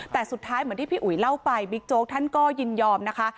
แต่สุดท้ายเหมือนที่พี่อุ๋ยเล่าไปบิ๊กโจ๊กท่านก็ยินยอมนะคะ